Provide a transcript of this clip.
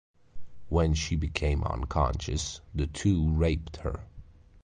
When she became unconscious, the two raped her.